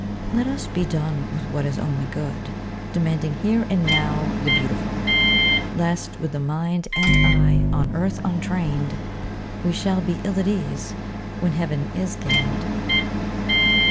Let us be done with what is only good, Demanding here and now the beautiful; Lest, with the mind and eye on earth untrained, We shall be ill at ease when heaven is gained.